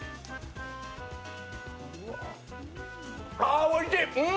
ああおいしい！